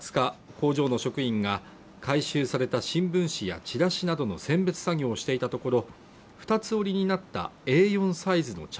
工場の職員が回収された新聞紙やチラシなどの選別作業をしていたところふたつ折りになったＡ４サイズの茶